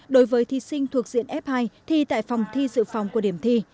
đối với thí sinh thuộc diện f hai thi tại phòng thi dự phòng của điểm thi